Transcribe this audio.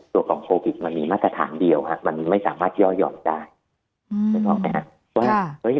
ตัวของโควิดมันมีมาตรฐานเดียวมันไม่สามารถย่อหยอมได้